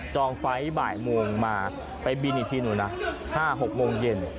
ไฟล์บ่ายโมงมาไปบินอีกทีหนึ่งนะ๕๖โมงเย็น